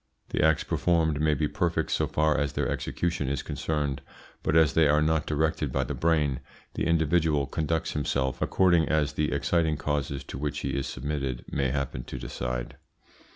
The acts performed may be perfect so far as their execution is concerned, but as they are not directed by the brain, the individual conducts himself according as the exciting causes to which he is submitted may happen to decide.